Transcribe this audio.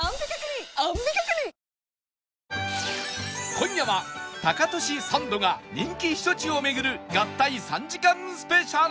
今夜はタカトシサンドが人気避暑地を巡る合体３時間スペシャル